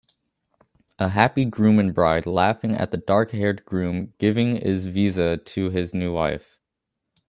A happy groom and bride laughing at the darkhaired groom giving is visa to his new wife